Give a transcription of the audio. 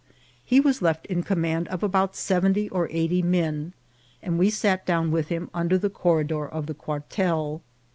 He was left in command of about seventy or AN ALARM. 81 eighty men, and we sat down with him under the cor ridor of the quartel.